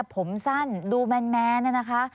ผมสั้นดูแมนเนี่ยนะคะ